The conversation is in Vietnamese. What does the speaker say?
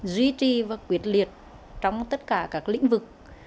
duy trì và quyết liệt trong tất cả các lĩnh vực